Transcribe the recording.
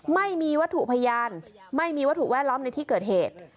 ไม่มีวัตถุพยานไม่มีวัตถุแวดล้อมในที่เกิดเหตุ